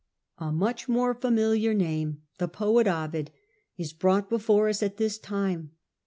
A much more familiar name, the poet Ovid, is brought before us at this time.